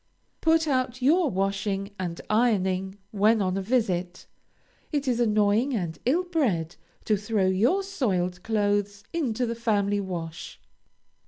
Put out your washing and ironing when on a visit. It is annoying and ill bred to throw your soiled clothes into the family wash.